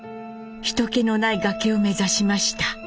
人けのない崖を目指しました。